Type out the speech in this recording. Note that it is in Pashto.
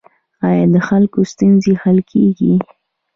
آیا د خلکو ستونزې حل کیږي؟